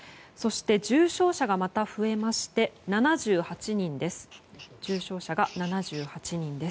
重症者がまた増えまして７８人です。